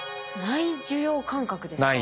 内受容感覚ですか？